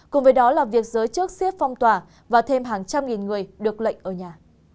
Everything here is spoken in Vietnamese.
cùng với đó là việc giới chức xếp phong tỏa và thêm hàng trăm nghìn người được lệnh ở nhà